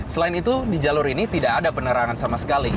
selain itu di jalur ini tidak ada penerangan sama sekali